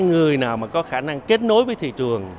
người nào mà có khả năng kết nối với thị trường